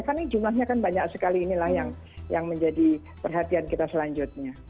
karena jumlahnya kan banyak sekali inilah yang menjadi perhatian kita selanjutnya